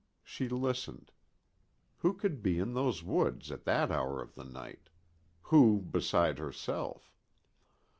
She listened. Who could be in those woods at that hour of the night? Who beside herself?